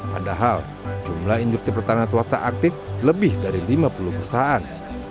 padahal jumlah industri pertahanan swasta aktif lebih dari lima puluh perusahaan